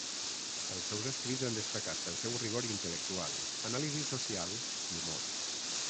Els seus escrits han destacat pel seu rigor intel·lectual, anàlisi social i humor.